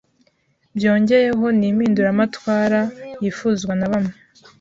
byongeyeho n’impinduramatwara yifuzwa na bamwe